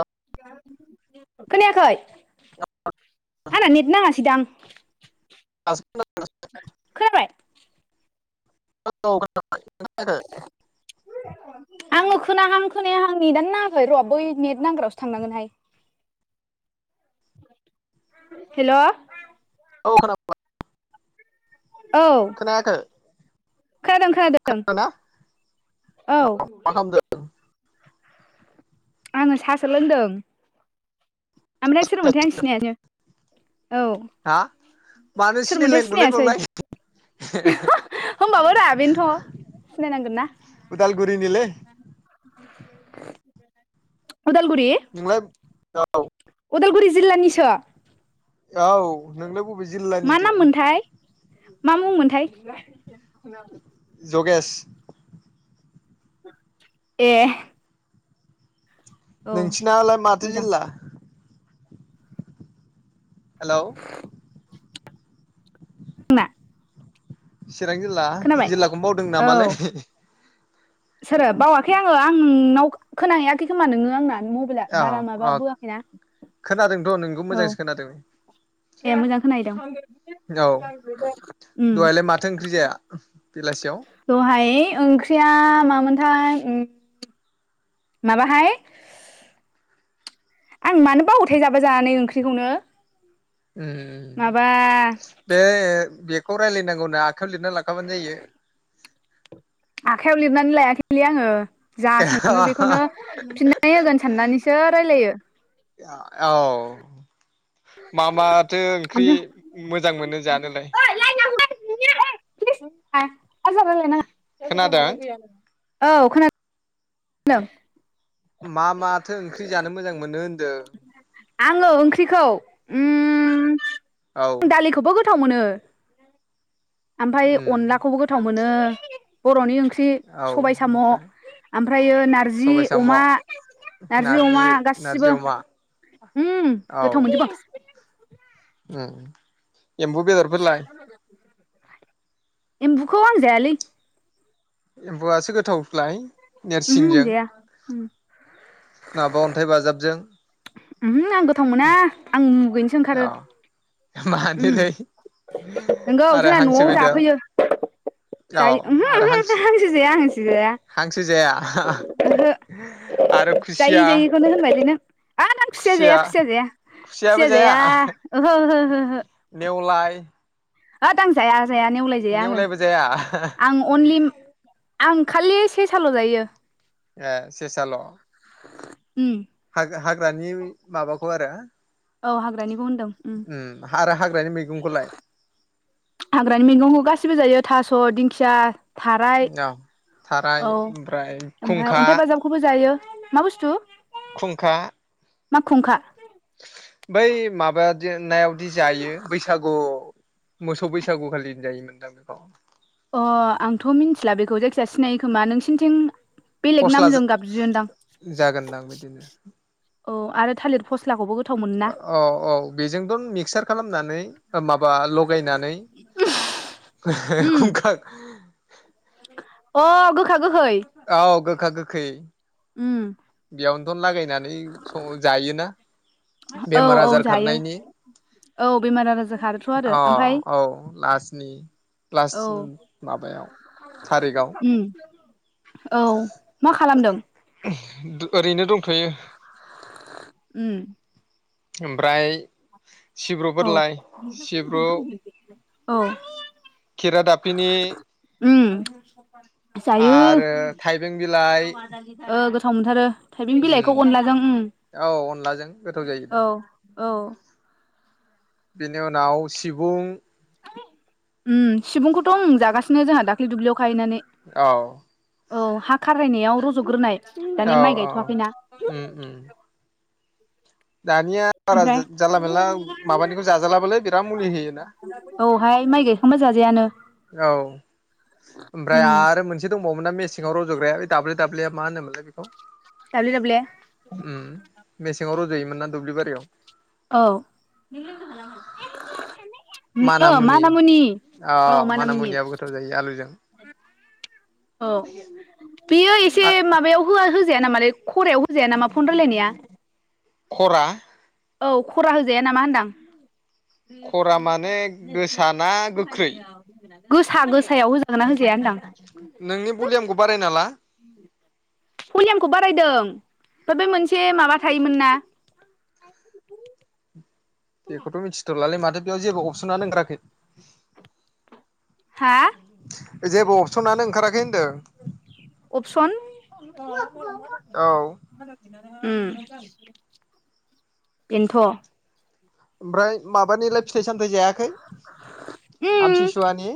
औ खोनायाखै। [unintelligible] आंना नेट नाङासै दां। [unintelligible] [inaudible] [unintelligible] आङो खोनाहां खोनायाहां नेटआनो नाङाखै र' बै नेट नांग्रायावसो थांनांगोनहाय हेल'। औ खोना [unintelligible] औ खोनादों खोनादों खोनादोंना औ। मा खालामदों? आङो साहासो लोंदों। आमफ्राय सोरमोनथाय आं सिनायानो औ हा मानो सोरमोनथाय सिनायलायनोलै सिनायासै बावलाय होमबाबो रा बेनोथ' सिनायनांगोन ना। उदालगुरिनिलै [inaudible] उदालगुरि। औ। उदालगुरि जिल्लानिसो। औ नोंलाय बबे मा जिल्लानिथो। नाम मोनथाय मा मुंमोनथाय। जगेश। ए। औ नोंसिनालाय माथो मोजां जिल्ला? हेलौ। आंना। चिरां जिल्ला खोनाबाय जिल्लाखौनो बावदों औ नामालै? सोरो बावाखै आङो आं नोंनाव खोनाहैआखै खोमा नोङो आंना। मबाइला औ बारा माबा अ बोआखैना खोनादोंथ' नों। बेखौ औ मोजांसो खोनादों। ए मोजां खोनाहैदों। औ उम दहायलाय माथो ओंख्रि जाया? बेलासियाव दहाय। ओंख्रिया मामोनथाय उम। माबाहाय आं मानो बावोथाय जाबा जानानै ओंख्रिखौनो। माबा बे बे खौ रायलायनांगौ होनना आखाइयाव लिरना लाखाबानो जायो। आखाइयाव लिरनानै लायाखैलै आङो। जा सोङो बेखौनो फिननाय होगोन साननानैसो रायलायो। औ मा माथो ओंख्रि आजा मोजां मोनो जानोलाय? [unintelligible] खोनादों? [unintelligible] औ खोना दों। मा माथो ओंख्रि जानो मोजां मोनो होनदों? आङो ओंख्रिखौ औ उम दालिखौबो गोथ गोथाव मोनो। ओमफ्राय उम अनलाखौबो गोथाव मोनो बर'नि ओं ख्रि औ सबाय साम' ओमफ्राय ओमफ्रायो नारजि सबाय साम' अमा नारजि अमा नारजि गासिबो। अमा उम गोथाव मोनजोबो। उ। [unintelligible] एमबुखौ आं जायालै। एम्बुआसो गोथावलाय। उमहो आं नेरसिंजों। जाया उम। बाजाबजों उमहो आं ग थाव मोना आं मुगैनोसो ओंखारो। औ उम मानोलै नंगौ आरो जोंना हांसो न'आव बेदर जाफैयो औ जायो उमहो आरो उमहो हांसो जाया हांसो जाया। हांसो जाया ओहो आरो खुसिया। बेनो। आद आं खुसिया जाया खुसिया जाया खुसिया जाया ओहो ओहो ओहो। लाय। ओद आं जाया। जाया नेवलाय जाया आङो जाया आं अनलि आं खालिस। सेसाल' जायो। ए सेसाल'। उम हाग-हाग्रानि माबाखौ आरो। औ हाग्रानिखौ होनदों उम आरो हाग्रानि मैगंखौलाय हाग्रानि मैगंखौ गासिबो जायो। थास' दिंखिया। थाराय। औ थाराय औ ओमफ्राय ओमफ्राय खुंखा अन्थाइ बाजाबखौबो जायो। मा बुसथु। खुंखा। मा खुंखा। नायावदि जायो बैसागुव मोसौ बैसागुखालि जायो मोनदां बेखौ। अ आंथ' मिथिला बेखौ जायखिजाया सिनायो खोमा नोंसिनथिं बेलेग फस्ला नामजों गाबज्रियोनदां। जागोनदां बिदिनो औ आरो थालिर फस्लाखौबो गो औ औ बेजोंथ' मिक्सार खालामनानै माबा लगायनानै [unintelligible] उम खुंखा। अ गोखा। औ गोखा गो खै। उम बेयावनोनथ' लागाय नानै स जायोना औ बेमार औ आजार जायो खारनायनि औ बेमार आजार खारोथ' आरो अ ओमफ्राय औ लासनि लास औ उम माबायाव थारिखआव उम औ मा खालामदों ओरैनो दंथयो उम ओमफ्राय औ सिब्रुफोर लाय सिब्रु औ खेरादाफिनि उम जायो आरो थाइबें बिलाइ ओ गोथाव मोनथारो थाइबें बिलाइखौ अनलाजों उम औ अनलाजों गोथाव जायो दा औ औ बेनि उनाव सिबुं उम सिबुंखौथ उम जागासिनो जोंहा दाख्लै दुब्लियाव खाहैनानै औ औ हा खारायनायाव रजग्रोनाय औ माने माइ औ गायथवाखैना उम उम दानिया बारा ओमफ्राय जानला मानला माबानिखौ जाजालाबोलै बिराद मुलि होयोना औहाय माइ गायखांबा जाजायानो औ ओमफ्राय उम आरो मोनसे दंबावोमोन ना मेसेङाव रजग्राया ओइत दाबले दाबलेया मा होनोमोन लाय बे खौ दाब्ले दाब्ले उम मेसेङाव रज योमोन ना दुब्लि बारियाव औ ओ माना मुनि मानामुनि अ औ माना मानामुनि मुनियाबो गोथाव जायो आलुजों औ बेयो एसे माबायाव होआ हो जायानामालै खरायाव होजाया नामा फन रायलायनाया खरा औ खरा होजाया नामा होनदां खरा माने गोसा ना गोख्रै [inaudible] गोसा गोसायाव होजागोन ना होजाया होनदां नोंनि भलियामखौ बाराय ना ला भलियामखौ बारायदों ओमफ्राय बे मोनसे माबा थायोमोन ना बेखौथ मिथिथलालै माथो बेयाव जेबो अपसनानो ओंखाराखै हा? जेबो अपसनानो ओंखाराखै होन्दों? अपसन? औ। उम बेन्थ' ओमफ्राय माबानिलाय फिथाइ सामथायाइ जायाखै उम आमथिसुवानि?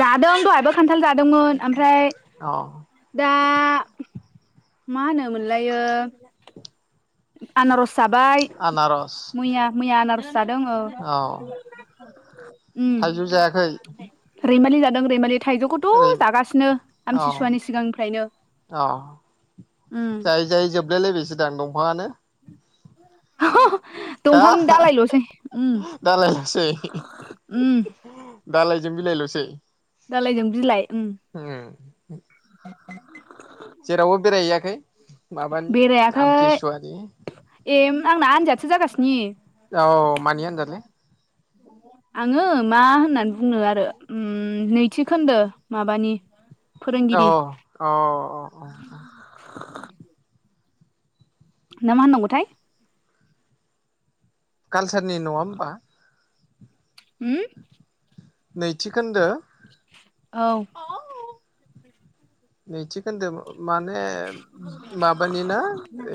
जादों दहायबो खान्थाल जादोंमोन। आम अ। दा मा होनो मोनलायो आनारस जाबाय आनारस मैया मैया आनार जादों ओ। औ [inaudible] थाइजौ जायाखै? रैमालि जादों रैमालि। थाइजौखौथ' ओरै जागासिनो औ आमथसिसुवानि सिगांनिफ्रायनो औ ओम। लाय लायबायसो दां दंफाङानो? [unintelligible] दंफांनि हा दालायल'सै उम दालायल'सै उम। दालाइजों बिलाइल'सै? दालायजों बिलाइ उम। [inaudible] [inaudible] जेरावबो बेराय हैयाखै? बेरायाखै ए आंना [unintelligible] जागासिनि औ मानि आनदारलै? आङो मा होननानै बुंनो आरो ओम नैथि खोन्दो माबानि अ फोरोंगिरि अ अ अ। [inaudible] ना मा होननांगौथाय। कालसारनि नङा होमबा? उम। नैथि खोन्दो? औ। नैथि खोन्दो माने माबानि ना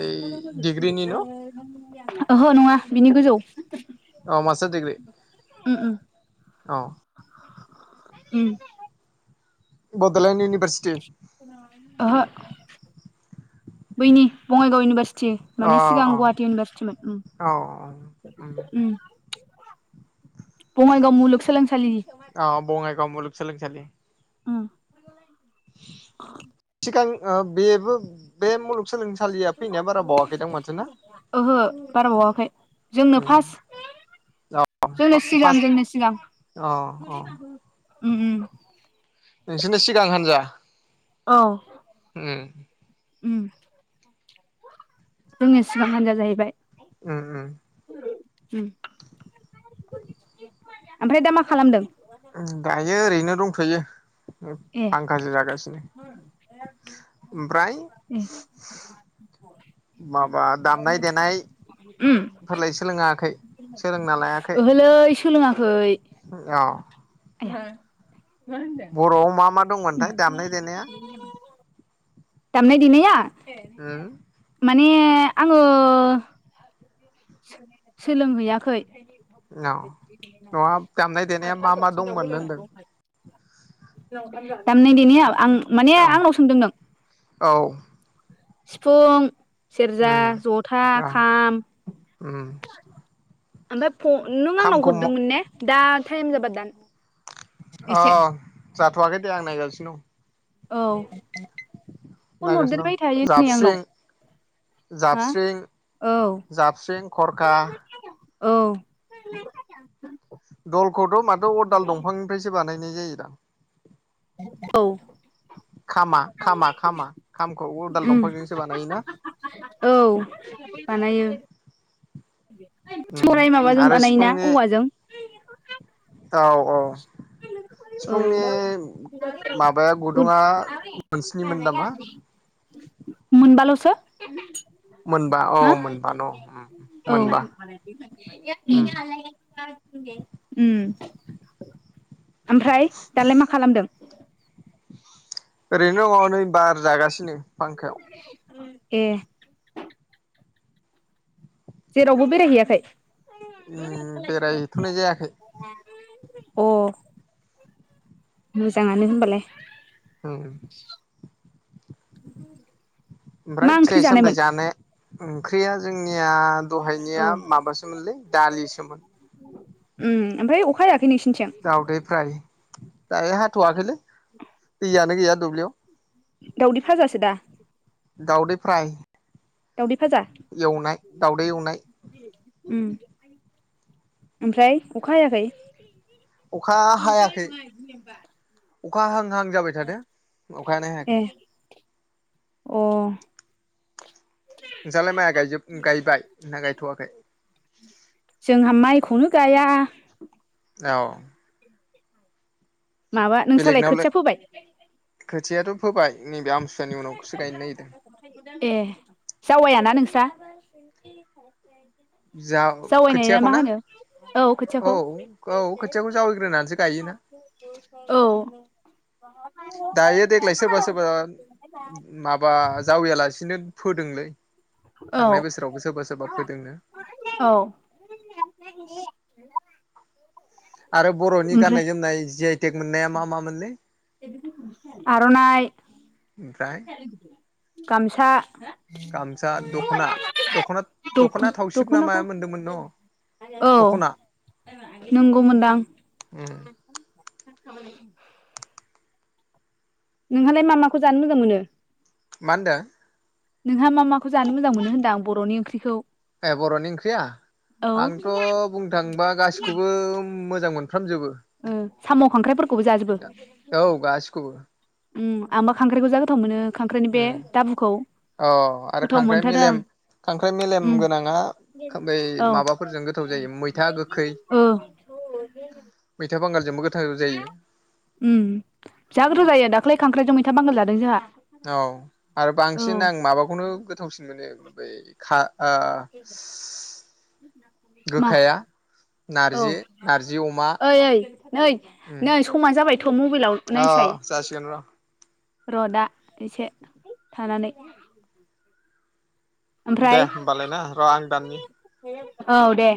ओइ डिग्रिनि न'? ओहो नंङा बिनि गोजौ। औ मास्टार डिग्रि? उम उम औ। उम। बड'लेण्ड इउनिभारसिटि ओहो। बैनि बंङाइगाव इउनिभारसि टि अ माने सिगां अ गुवाहाटि इउनिभारसिटिमोन उम औ उम। बंङाइगाव मुलुगसोलोंसालिनि। औ बंङाइगाव मुलुगसोलोंसालि। उम। सिगां ओ बेबो बे मुलुग [unintelligible] ओहो बाराबावाखै जोंनो उम फार्स्ट जोंनो सिगां फार्स्ट जोंनो सिगां अ अ उम उम। नोंसोरनो सिगां हान्जा? औ। उम। उम। जोंनो सिगां हान्जा जाहैबाय। उम उम। उम। ओमफ्राय दा मा खालामदों? उम दायो ओरैनो दंथ'यो। उम ए फांखासो जागासिनो ओमफ्राय ए माबा दामनाय देनाय उम फोरलाय सोलोङा? खै। ओहोलै सोलोङा खै। अ। [unintelligible] बर'आव मा मा दंमोनथाय दामनाय देनाया? दामनाय देनाया? उम [unintelligible] माने ए आंङो सो सोलोंहैयाखै। औ नंङा दामनाय देनाया मा मा दंमोन होनदों? दामनाय देनायाव आं माने औ आंनाव सोंदों नों? औ सिफुं सेरजा उम जथा औ खाम उम आमफाय फ' नों आंनाव खामखौ हरदोंमोन ने दा थाइम जाबा दान अ एसे जाथ'वाखै दे आं नायगासिनो दं औ फन नायगासिनो दं हरदेरबाय थायो नै आंनाव जाबस्रिं हा जाबस्रिं औ जाबस्रिं खरखा औ दलखौथ' माथो अदाल दंफांनिफ्रायसो बानायनाय जायोदा औ खामा खामा खामा खामखौ अदाल ओम दंफांजोंसो बानायोना औ बानायो सराय उम माबाजों आरो बानायोना सिफुंनि औवाजों औ औ औ सिफुंनि माबाया गुद गुदुङा मोनस्निमोन नामा [inaudible] मोनबाल'सो सो मोनबा औ हा मोनबा न' औ ओम मोनबा उम ओम औ ओमफ्राय दालाय मा खालामदों ओरैनो दङ नेै बार जागासि सिनो [inaudible] ए जेरावबो बेरायहैयाखै उ बेरायहैथ'नाय जायाखै अ मोजाङानो होनबालाय [inaudible] ओमफ्राय मा ओंख्रि फिथाइ सामथाइ जानायमोन जानो ओंख्रिया जोंनि जोंनिया औ दहायनिया माबासोमोनलै दालिसोमोन उम ओमफ्राय अखा हायाखै नोंसिनिथिं दाउदै फ्राय दायो हाथ'वाखैलै दैयानो गैया दुब्लियाव दाउदै फाजासो दा दावदै फ्राय दावदै फाजा एवनाय दावदै एवनाय उम ओमफ्राय अखा हायाखै? अखा हायाखै [unintelligible] अखा हां हां जाबाय थादों अखायानो हायाखै ए अ नोंजालाय माया गाजोब गायबाय ना गायथवाखै। जोंहा माइखौनो गाया औ माबा नोंसालाय बेलेगनावलाय खोथिया फोबाय खोथियाथ फोबाय नैबे आमसुवानि उनावसो गायनो नागिरदों ए जावेया ना नोंस्रा? जा [inaudible] जावैनाय ना खोथियाखौ मा होनो औ खोथियाखौ औ खोथियाखौ जावैग्रोनानैसो गायोना औ। दायो देग्लाय सोरबा सोरबा [inaudible] माबा जावैयालासिनो फोदोंलै थांनाय बोसोरावबो सोरबा सोरबा फोदोंनो। औ [inaudible] आरो बरनि गाननाय ओमफ्राय जोमनाय जिआइटेक मोननाया मा मा मोनलै। आरनाइ ओमफ्राय गामसा गामसा दखना दखना दख दखना थावसिब ना माया दख'नाखौ मोनदोंमोन न औ दखना नंगौ मोनदां उम। [inaudible] नोंहालाय मा माखौ जानो मोजां मोनो? मा होनदों? नोंहा मा मा खौ जानो मोजां मोनो होनदां बरनि ओंख्रिखौ। ए बरनि ओंख्रिया औ ओ आंथ बुंनो थांङोबा गासिखौबो। मोजां मोन ओ साम खांख्राइ फोरखौबो जाजोबो? औ गासिखौबो उम आंबा खांख्राइखौ जा गोथाव मोनो। खांख्राइनि बे उम दाबुखौ अ आरो गोथाव खांख्राइ मोनथारो आं मेलेम खांख्राइ मेलेम उम गोनाङा बै औ माबाफोरजों गोथाव जायो मैथा गोखै ओ। मैथा बांगाजजोंबो। उम जा गोथाव जायो दाख्लै खांख्राइजों मै था बांगान जादों जोंहा औ आरो बांसिन औ आं माबाखौनो गोथावसिन मोनो बै खा ओ मा गोखाया औ नारजि नारजि अमा ओइ ओइ उम नै-नै समा जाबायथ मबाइलाव अ नायसाय जासिगोन र' र दा एसे थानानै ओमफ्राय दे होमबालाय ना र आं दाननि औ दे